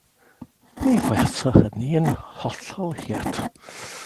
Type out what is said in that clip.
Mi fuasai hynna'n hollol hurt.